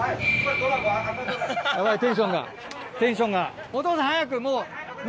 ヤバいテンションがテンションが。